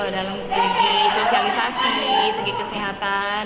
dalam segi sosialisasi segi kesehatan